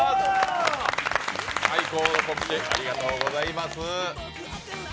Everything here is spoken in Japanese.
最高の告知、ありがとうございます。